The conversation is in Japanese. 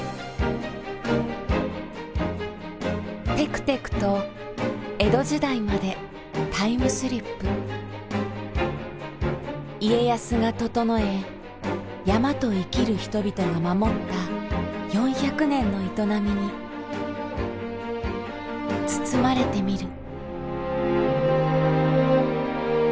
てくてくと江戸時代までタイムスリップ家康が整え山と生きる人々が守った４００年の営みに包まれてみる。